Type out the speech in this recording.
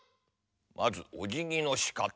まずおじぎのしかた。